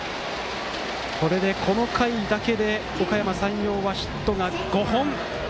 これで、この回だけでおかやま山陽はヒットが５本。